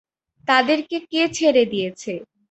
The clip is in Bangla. তাদেরকে কে ছেড়ে দিয়েছে?